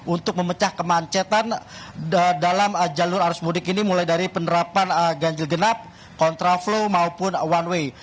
untuk memecah kemacetan dalam jalur arus mudik ini mulai dari penerapan ganjil genap kontraflow maupun one way